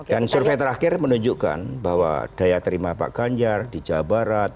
dan survei terakhir menunjukkan bahwa daya terima pak ganjar di jawa barat